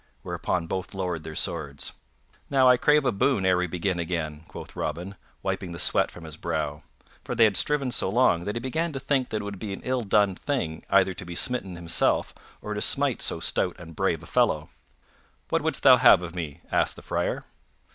whereupon both lowered their swords. "Now I crave a boon ere we begin again," quoth Robin, wiping the sweat from his brow; for they had striven so long that he began to think that it would be an ill done thing either to be smitten himself or to smite so stout and brave a fellow. "What wouldst thou have of me?" asked the Friar.